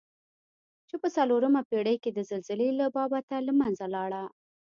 چې په څلورمه پېړۍ کې د زلزلې له بابته له منځه لاړه.